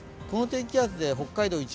この低気圧で北海道